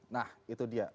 nah itu dia